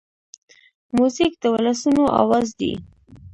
موزیک د ولسونو آواز دی.